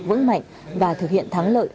vững mạnh và thực hiện thắng lợi